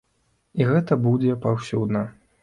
І гэта будзе паўсюдна.